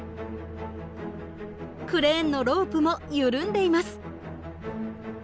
クレーンのロープも緩んでいます。